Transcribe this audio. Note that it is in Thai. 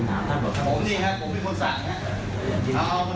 คนมารองว่าในร้านสมุทร